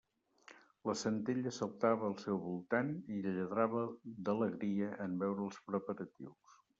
La Centella saltava al seu voltant i lladrava d'alegria en veure els preparatius.